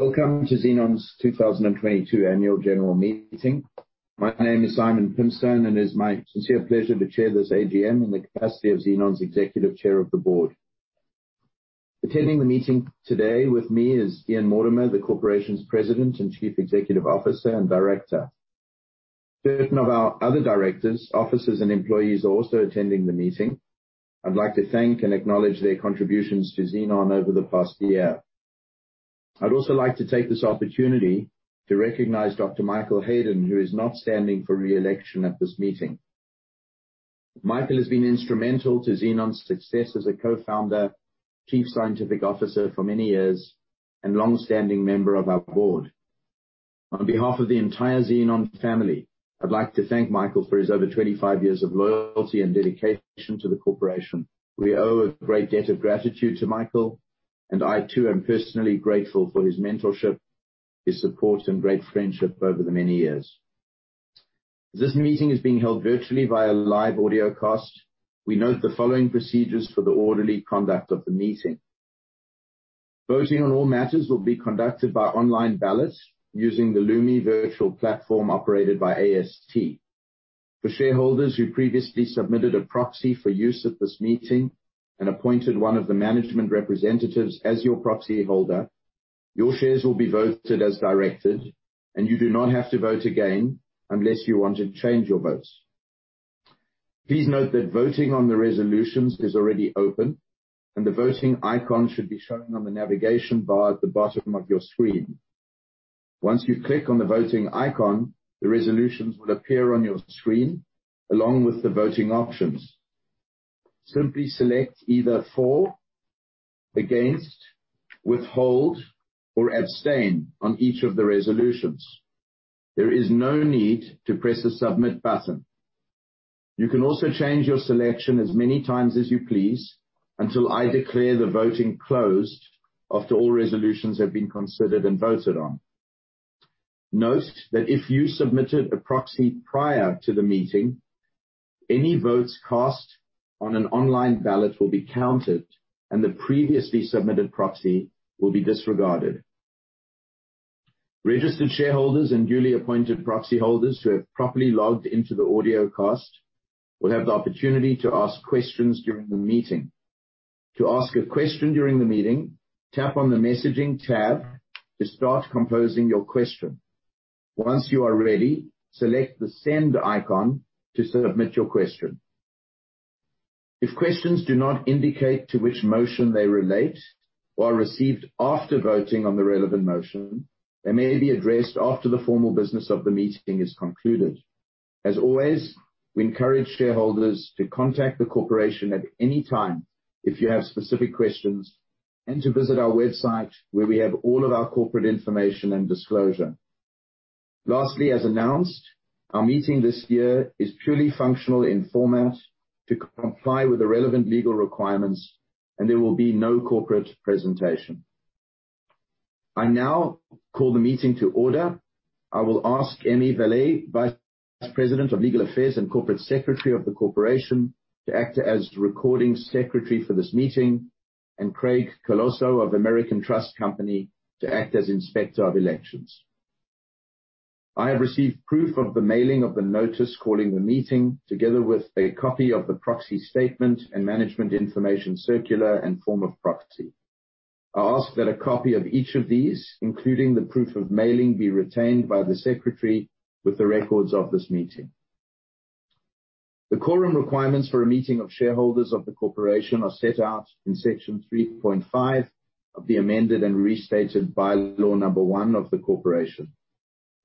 Welcome to Xenon's 2022 annual general meeting. My name is Simon Pimstone and it is my sincere pleasure to chair this AGM in the capacity of Xenon's Executive Chair of the Board. Attending the meeting today with me is Ian Mortimer, the corporation's President and Chief Executive Officer and Director. Certain of our other directors, officers, and employees are also attending the meeting. I'd like to thank and acknowledge their contributions to Xenon over the past year. I'd also like to take this opportunity to recognize Dr. Michael Hayden, who is not standing for re-election at this meeting. Michael has been instrumental to Xenon's success as a Co-Founder, Chief Scientific Officer for many years, and long-standing member of our board. On behalf of the entire Xenon family, I'd like to thank Michael for his over 25 years of loyalty and dedication to the corporation. We owe a great debt of gratitude to Michael and I too am personally grateful for his mentorship, his support, and great friendship over the many years. This meeting is being held virtually via live audio cast. We note the following procedures for the orderly conduct of the meeting. Voting on all matters will be conducted by online ballots using the Lumi Virtual Platform operated by AST. For shareholders who previously submitted a proxy for use at this meeting and appointed one of the management representatives as your proxy holder, your shares will be voted as directed, and you do not have to vote again unless you want to change your votes. Please note that voting on the resolutions is already open, and the voting icon should be shown on the navigation bar at the bottom of your screen. Once you click on the voting icon, the resolutions will appear on your screen along with the voting options. Simply select either for, against, withhold, or abstain on each of the resolutions. There is no need to press the Submit button. You can also change your selection as many times as you please until I declare the voting closed after all resolutions have been considered and voted on. Note that if you submitted a proxy prior to the meeting, any votes cast on an online ballot will be counted, and the previously submitted proxy will be disregarded. Registered shareholders and duly appointed proxy holders who have properly logged into the audio cast will have the opportunity to ask questions during the meeting. To ask a question during the meeting, tap on the messaging tab to start composing your question. Once you are ready, select the send icon to submit your question. If questions do not indicate to which motion they relate or are received after voting on the relevant motion, they may be addressed after the formal business of the meeting is concluded. As always, we encourage shareholders to contact the corporation at any time if you have specific questions and to visit our website where we have all of our corporate information and disclosure. Lastly, as announced, our meeting this year is purely functional in format to comply with the relevant legal requirements, and there will be no corporate presentation. I now call the meeting to order. I will ask Emmanuelle Vallée, Vice President of Legal Affairs and Corporate Secretary of the corporation, to act as the recording secretary for this meeting and Craig Colosseo of American Trust Company to act as Inspector of Elections. I have received proof of the mailing of the notice calling the meeting together with a copy of the proxy statement and management information circular and form of proxy. I ask that a copy of each of these, including the proof of mailing, be retained by the secretary with the records of this meeting. The quorum requirements for a meeting of shareholders of the corporation are set out in Section 3.5 of the amended and restated Bylaw Number one of the corporation.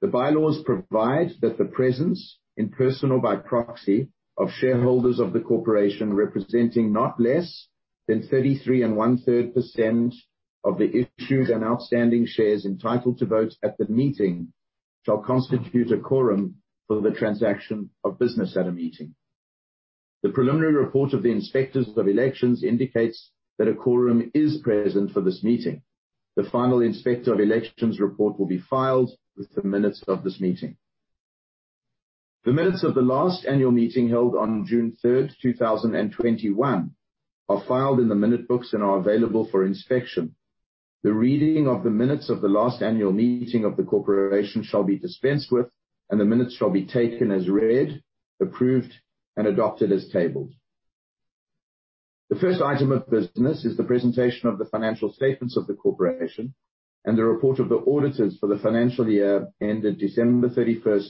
The bylaws provide that the presence in person or by proxy of shareholders of the corporation, representing not less than 33 and 1/3% of the issued and outstanding shares entitled to vote at the meeting, shall constitute a quorum for the transaction of business at a meeting. The preliminary report of the Inspectors of Elections indicates that a quorum is present for this meeting. The final Inspector of Elections report will be filed with the minutes of this meeting. The minutes of the last annual meeting held on June 3, 2021 are filed in the minute books and are available for inspection. The reading of the minutes of the last annual meeting of the corporation shall be dispensed with, and the minutes shall be taken as read, approved, and adopted as tabled. The first item of business is the presentation of the financial statements of the corporation and the report of the auditors for the financial year ended December 31,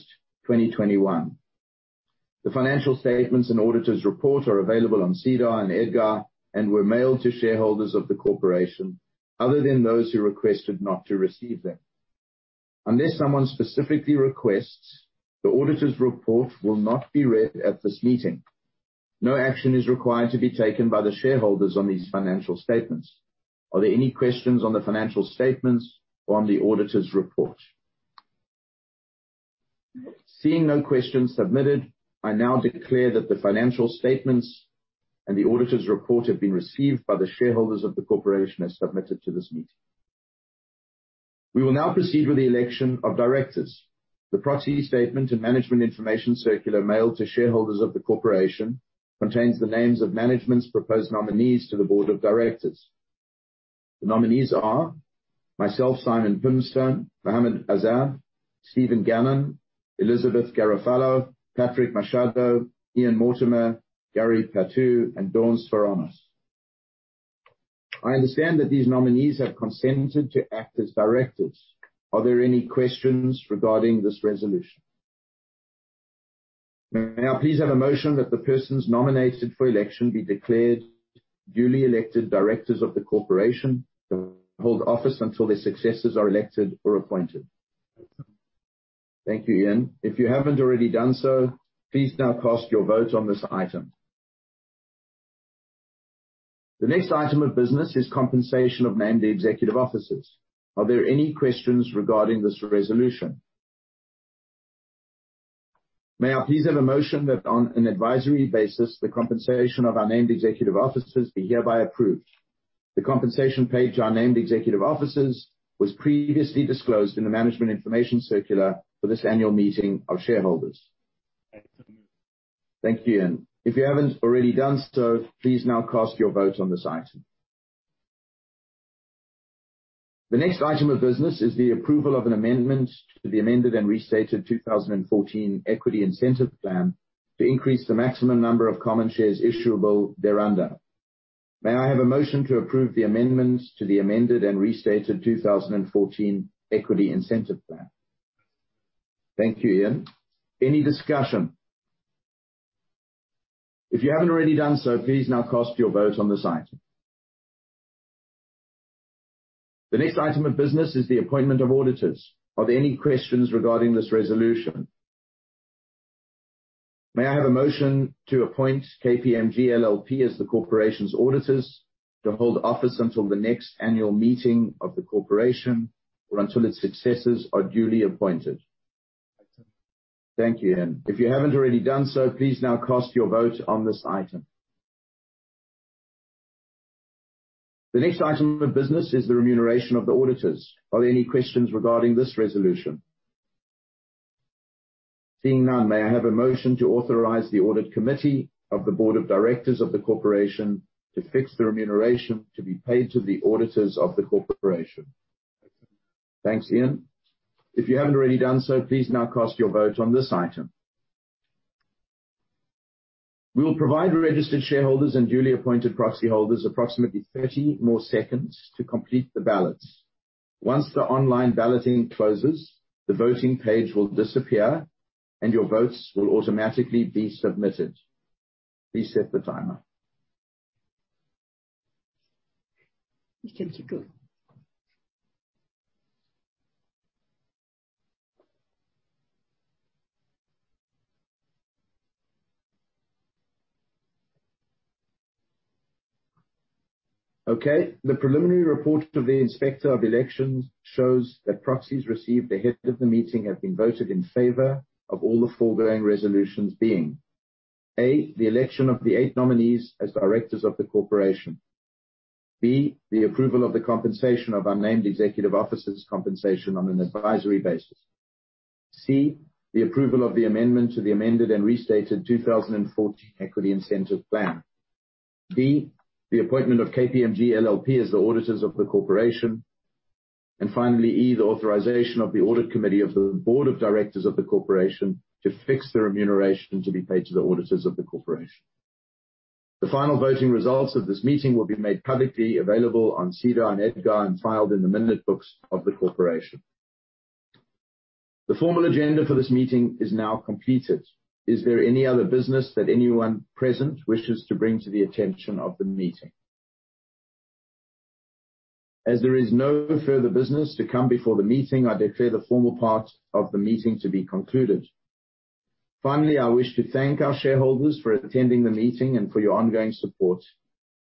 2021. The financial statements and auditor's report are available on SEDAR and EDGAR and were mailed to shareholders of the corporation other than those who requested not to receive them. Unless someone specifically requests, the auditor's report will not be read at this meeting. No action is required to be taken by the shareholders on these financial statements. Are there any questions on the financial statements or on the auditor's report? Seeing no questions submitted, I now declare that the financial statements and the auditor's report have been received by the shareholders of the corporation as submitted to this meeting. We will now proceed with the election of directors. The proxy statement and management information circular mailed to shareholders of the corporation contains the names of management's proposed nominees to the board of directors. The nominees are myself, Simon Pimstone, Mohammad Azab, Steven Gannon, Elizabeth Garofalo, Patrick Machado, Ian Mortimer, Gary Patou, and Dawn Svoronos. I understand that these nominees have consented to act as directors. Are there any questions regarding this resolution? May I please have a motion that the persons nominated for election be declared duly elected directors of the corporation to hold office until their successors are elected or appointed. Thank you, Ian. If you haven't already done so, please now cast your vote on this item. The next item of business is compensation of named executive officers. Are there any questions regarding this resolution? May I please have a motion that on an advisory basis, the compensation of our named executive officers be hereby approved. The compensation paid to our named executive officers was previously disclosed in the management information circular for this annual meeting of shareholders. Thank you, Ian. If you haven't already done so, please now cast your vote on this item. The next item of business is the approval of an amendment to the amended and restated 2014 equity incentive plan to increase the maximum number of common shares issuable thereunder. May I have a motion to approve the amendments to the amended and restated 2014 equity incentive plan? Thank you, Ian. Any discussion? If you haven't already done so, please now cast your vote on this item. The next item of business is the appointment of auditors. Are there any questions regarding this resolution? May I have a motion to appoint KPMG LLP as the corporation's auditors to hold office until the next annual meeting of the corporation or until its successors are duly appointed? Thank you, Ian. If you haven't already done so, please now cast your vote on this item. The next item of business is the remuneration of the auditors. Are there any questions regarding this resolution? Seeing none, may I have a motion to authorize the audit committee of the board of directors of the corporation to fix the remuneration to be paid to the auditors of the corporation. Thanks, Ian. If you haven't already done so, please now cast your vote on this item. We will provide registered shareholders and duly appointed proxy holders approximately 30 more seconds to complete the ballots. Once the online balloting closes, the voting page will disappear and your votes will automatically be submitted. Please set the timer. You can keep going. Okay. The preliminary report of the inspector of elections shows that proxies received ahead of the meeting have been voted in favor of all the foregoing resolutions being, A, the election of the eight nominees as directors of the corporation. B, the approval of the compensation of our named executive officers' compensation on an advisory basis. C, the approval of the amendment to the amended and restated 2014 equity incentive plan. D, the appointment of KPMG LLP as the auditors of the corporation. And finally, E, the authorization of the audit committee of the board of directors of the corporation to fix the remuneration to be paid to the auditors of the corporation. The final voting results of this meeting will be made publicly available on SEDAR and EDGAR and filed in the minute books of the corporation. The formal agenda for this meeting is now completed. Is there any other business that anyone present wishes to bring to the attention of the meeting? As there is no further business to come before the meeting, I declare the formal part of the meeting to be concluded. Finally, I wish to thank our shareholders for attending the meeting and for your ongoing support.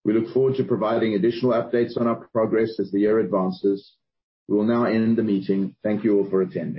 We look forward to providing additional updates on our progress as the year advances. We will now end the meeting. Thank you all for attending.